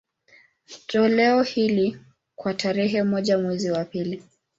Toleo hili, kwa tarehe moja mwezi wa pili